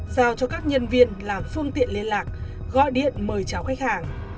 giao cho các nhân viên làm phương tiện liên lạc gọi điện mời chào khách hàng